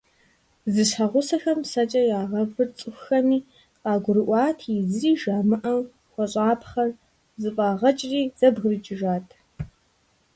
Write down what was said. Зэщхьэгъусэхэм псэкӀэ ягъэвыр цӀыхухэми къагурыӀуати, зыри жамыӀэу хуэщӀапхъэр зэфӀагъэкӀри, зэбгрыкӀыжат.